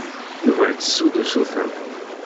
Yuba ittessu-d usuten.